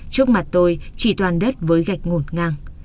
trước mặt tôi chỉ toàn đất với gạch ngột ngang